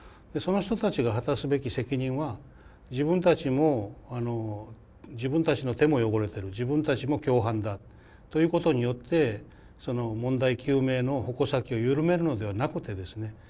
その人たちが果たすべき責任は自分たちの手も汚れてる自分たちも共犯だということによって問題究明の矛先を緩めるのではなくてですね